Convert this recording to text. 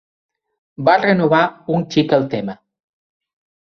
Va renovar un xic el tema